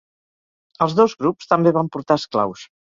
Els dos grups també van portar esclaus.